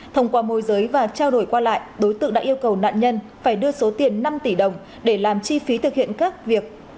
thông qua môi giới và trao đổi qua lại đối tượng đã yêu cầu nạn nhân phải đưa số tiền năm tỷ đồng để làm chi phí thực hiện các việc